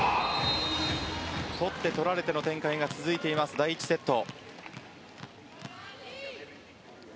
取って取られての展開が続いています、第１セット。